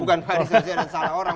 oh bukan pak anies beswedan salah orang